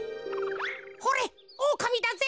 ほれっオオカミだぜ。